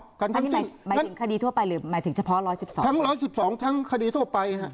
หมายถึงคดีทั่วไปหรือหมายถึงเฉพาะร้อยสิบสองทั้งร้อยสิบสองทั้งคดีทั่วไปฮะ